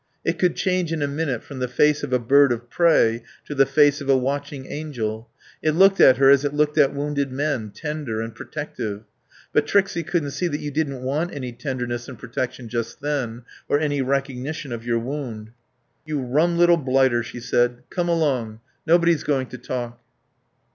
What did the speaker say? It could change in a minute from the face of a bird of prey to the face of a watching angel. It looked at her as it looked at wounded men: tender and protective. But Trixie couldn't see that you didn't want any tenderness and protection just then, or any recognition of your wound. "You rum little blighter," she said. "Come along. Nobody's going to talk."